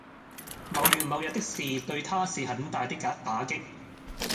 某月某日的事對他是很大的打擊